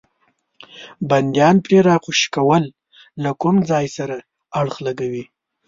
بندیان پرې راخوشي کول له کوم ځای سره اړخ لګوي.